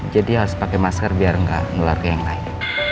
jadi harus pakai masker biar gak keluar ke yang lain